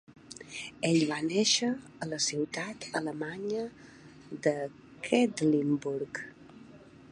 Ell va néixer a la ciutat alemanya de Quedlinburg.